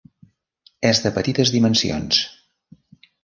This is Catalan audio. És de petites dimensions.